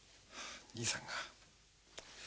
兄さんか。